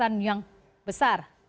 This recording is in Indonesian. tanpa alasan yang besar